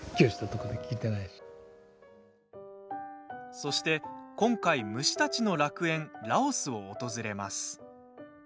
そして、今回虫たちの楽園・ラオスを訪れます。